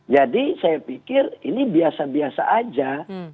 jadi saya pikir ini biasa biasa aja